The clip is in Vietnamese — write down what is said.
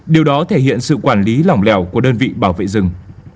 điều đó thể hiện sự quản lý lỏng lẻo của đơn vị bảo vệ rừng